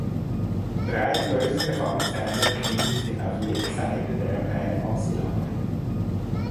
Drei größere Fangzähne befinden sich auf jeder Seite der Prämaxillare.